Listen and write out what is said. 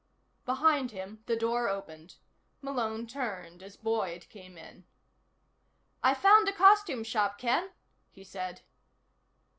Behind him, the door opened. Malone turned as Boyd came in. "I found a costume shop, Ken," he said.